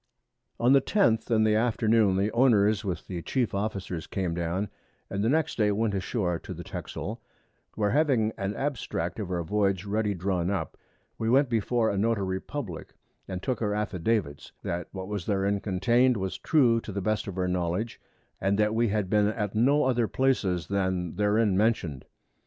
On the 10th in the Afternoon, the Owners with the Chief Officers came down, and the next Day went a shoar to the Texel, where having an Abstract of our Voyage ready drawn up, we went before a Notary Publick, and took our Affidavits, that what was therein contain'd was true to the best of our Knowledge, and that we had been at no other Places than therein mention'd.